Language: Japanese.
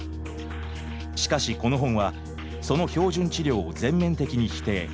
しかしこの本はその標準治療を全面的に否定。